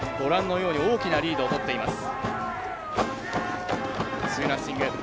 大きなリードをとっています。